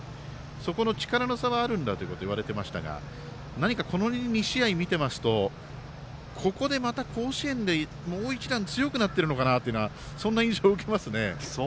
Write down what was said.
そこの力の差はあるんだということをいわれていましたがこの２試合を見ていますとここで、甲子園でもう一段強くなっているのかなとそんな印象を受けますね。